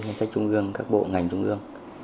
ngân sách trung ương các bộ ngành trung ương